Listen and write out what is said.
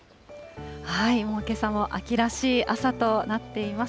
もうけさも秋らしい朝となっています。